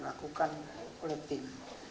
yang lakukan oleh tim